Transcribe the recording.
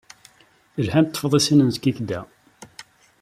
Lhant teftisin n Skikda.